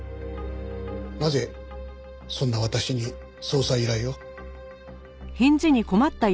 なぜそんな私に捜査依頼を？